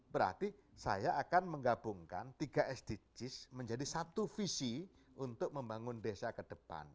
berarti saya akan menggabungkan tiga sdgs menjadi satu visi untuk membangun desa ke depan